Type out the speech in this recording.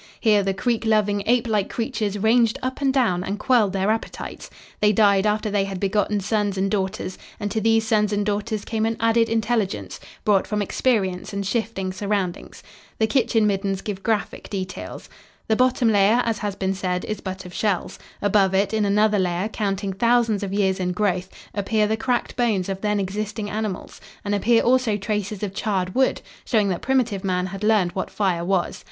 Here the creek loving, ape like creatures ranged up and down and quelled their appetites. They died after they had begotten sons and daughters; and to these sons and daughters came an added intelligence, brought from experience and shifting surroundings. The kitchen middens give graphic details. The bottom layer, as has been said, is but of shells. Above it, in another layer, counting thousands of years in growth, appear the cracked bones of then existing animals and appear also traces of charred wood, showing that primitive man had learned what fire was.